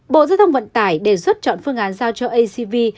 bộ giao thông vận tải đề xuất chọn phương án giao cho acv